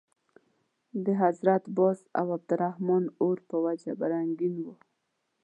د حضرت باز او عبدالرحمن اور په وجه به رنګین وو.